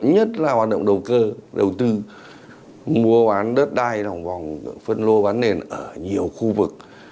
nhất là hoạt động đầu cơ đầu tư mua bán đất đai nằm vòng phân lô bán nền ở nhiều khu vực